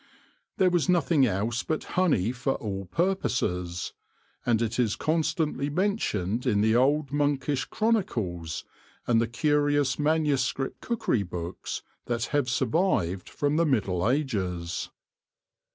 There was nothing else but honey for all purposes, and it is constantly mentioned in the old monkish chronicles and the curious manu script cookery books that have survived from the Middle Ages.